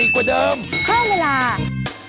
โปรดติดตามตอนต่อไป